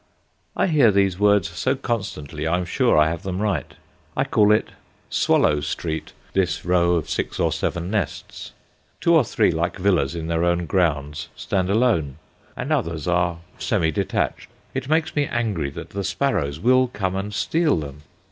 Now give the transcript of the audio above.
I hear these words so constantly, I am sure I have them right. I call it "Swallow Street," this row of six or seven nests. Two or three, like villas in their own grounds, stand alone, and others are semi detached. It makes me angry that the sparrows will come and steal them.